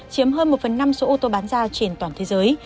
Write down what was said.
chiếm hơn một phần năm số ô tô bán ra trên toàn thế giới